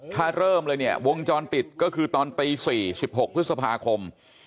ถ้าเริ่มเลยเนี่ยวงจรปิดก็คือตอนตี๔๑๖พฤษภาคม